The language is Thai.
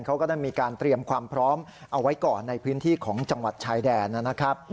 เขาก็ได้มีการเตรียมความพร้อมเอาไว้ก่อนในพื้นที่ของจังหวัดชายแดนนะครับ